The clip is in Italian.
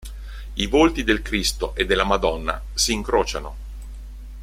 I volti del Cristo e della Madonna si incrociano.